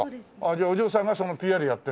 じゃあお嬢さんがそのＰＲやってんだ？